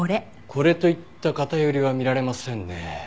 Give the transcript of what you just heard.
これといった偏りは見られませんね。